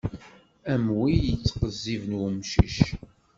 Am wi ittqezziben i umcic.